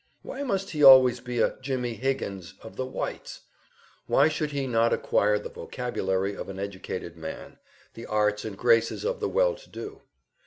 Why must he always be a "Jimmie Higgins" of the "Whites?" Why should he not acquire the vocabulary of an educated man, the arts and graces of the well to do?